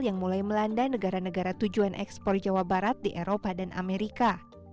yang mulai melanda negara negara tujuan ekspor jawa barat di eropa dan amerika